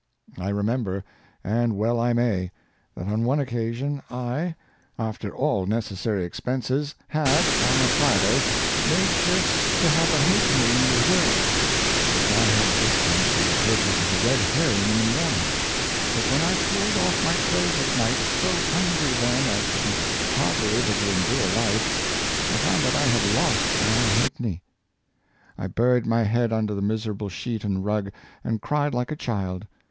I remember, and well I may! that on one occasion I, after all necessary expenses, had, on a Friday, made shifts to have a halfpenny in reserve, which I had des tined for the purchase of a red herring in the morning; but, when I pulled off my clothes at night, so hungry then as to be hardly able to endure life, I found that I had lost my halfpenny ! I buried my head under the miserable sheet and rug, and cried like a child!